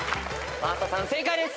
有田さん正解です。